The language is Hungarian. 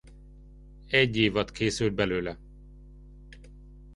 Egy évad készült belőle.